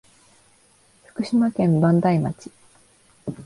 福島県磐梯町